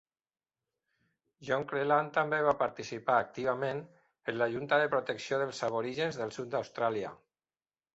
John Cleland també va participar activament en la Junta de Protecció dels Aborígens del sud d'Austràlia.